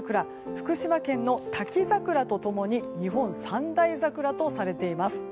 福島県の滝桜と共に日本三大桜とされています。